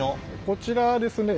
こちらですね